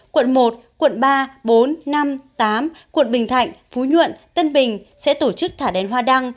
quận một quận ba bốn năm tám quận bình thạnh phú nhuận tân bình sẽ tổ chức thả đèn hoa đăng